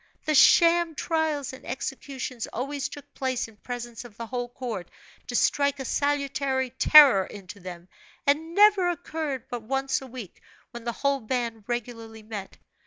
The sham trials and executions always took place in presence of the whole court, to strike a salutary terror into them, and never occurred but once a week, when the whole band regularly met.